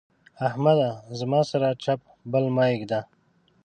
احمده! زما سره چپ پل مه اېږده.